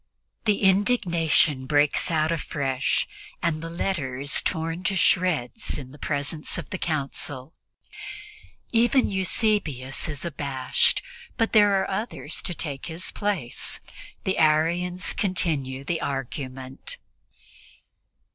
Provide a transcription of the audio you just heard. The indignation breaks out afresh, and the letter is torn to shreds in the presence of the Council. Even Eusebius is abashed, but there are others to take his place. The Arians continue the argument.